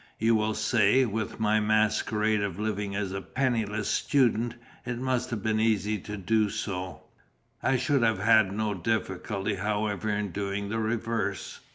You will say, with my masquerade of living as a penniless student, it must have been easy to do so: I should have had no difficulty, however, in doing the reverse.